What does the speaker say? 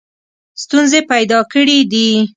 ستونزې پیدا کړي دي.